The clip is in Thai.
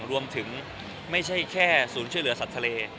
ไม่ใช่แค่ศูนย์ช่วยเหลือสัตว์ทะเล